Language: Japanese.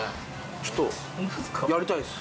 ちょっとやりたいです